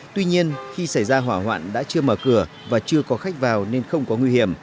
tuy nhiên khi xảy ra hỏa hoạn đã chưa mở cửa và chưa có khách vào nên không có nguy hiểm